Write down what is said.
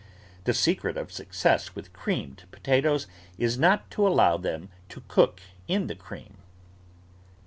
The secret of success with creamed potatoes is not to allow them to cook in the cream.